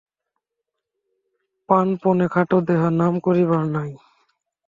প্রাণপণে খাটো-কেহ নাম করিবার নাই।